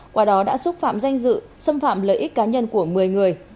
qua đó đã xúc phạm danh dự xâm phạm lợi ích cá nhân của một mươi người